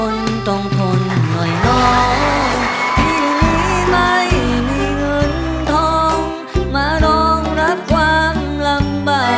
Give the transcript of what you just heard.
ยกที่สอง